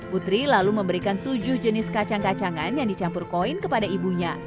putri lalu memberikan tujuh jenis kacang kacangan yang dicampur koin kepada ibunya